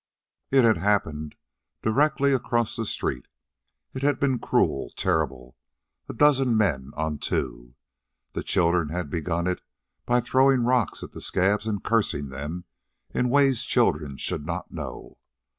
It had happened directly across the street. It had been cruel, terrible a dozen men on two. The children had begun it by throwing rocks at the scabs and cursing them in ways children should not know.